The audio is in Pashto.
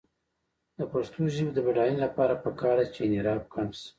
د پښتو ژبې د بډاینې لپاره پکار ده چې انحراف کم شي.